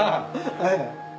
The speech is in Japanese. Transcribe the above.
はい。